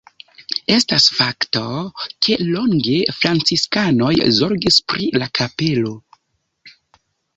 Estas fakto, ke longe franciskanoj zorgis pri la kapelo.